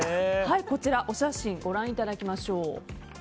こちらお写真をご覧いただきましょう。